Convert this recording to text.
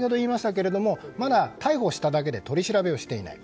まだ逮捕しただけで取り調べをしていない。